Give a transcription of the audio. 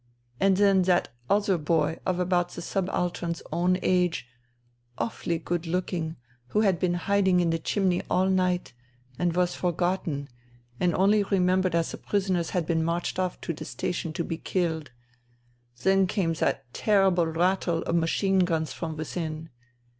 And then that other boy of about the subaltern's own age, awfully good looking, who had been hiding in the chimney all night and was forgotten and only remembered as the prisoners had been marched off to the station to be killed. Then came that terrible rattle of machine guns from within.